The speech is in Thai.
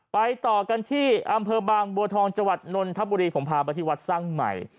ไปต่อกันที่อำเภอบางบัวทองจังหวัดนนทบุรีผมพาไปที่วัดสร้างใหม่